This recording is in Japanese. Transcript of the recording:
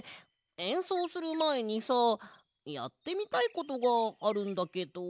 えんそうするまえにさやってみたいことがあるんだけど。